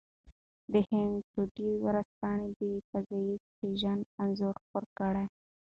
د هند ټوډې ورځپاڼه د فضايي سټېشن انځور خپور کړی.